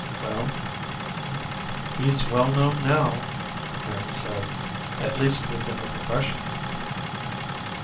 "He's well known now," Mary said, "at least within the profession."